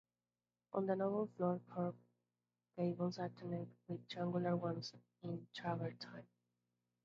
On the noble floor curved gables alternate with triangular ones in travertine.